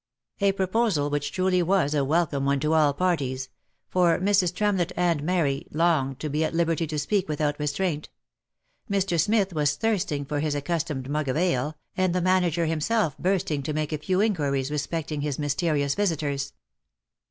A proposal which truly was a welcome one to all parties — for Mrs. Tremlett and Mary longed to be at liberty to speak without restraint — Mr. Smith was thirsting for his accustomed mug of ale, and the manager himself bursting to make a few inquiries respecting his mysterious visiters.